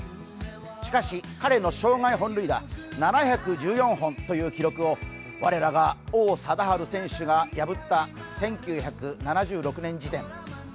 しかし、彼の生涯本塁打７１４本という記録を我らが王貞治選手が破った１９７６年時点。